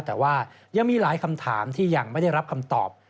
แต่ว่ายังมีหลายคำถามที่ยังไม่ได้รับคำตอบ